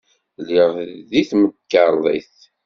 Lliɣ deg temkarḍit.